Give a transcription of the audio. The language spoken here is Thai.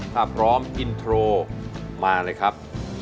ถ้าพร้อมอินโทรมาเลยครับ